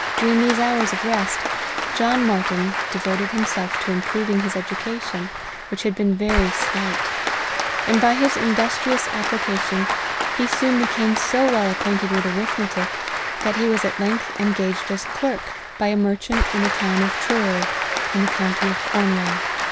During these hours of rest, John Martyn devoted himself to improving his education, which had been very slight ; and by his industrious application, he soon became so well acquainted with arithmetic, that he was at length engaged as clerk, by a merchant in the town of Truro, in the county of Cornwall.